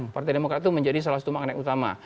partai demokrat itu menjadi salah satu magnet utama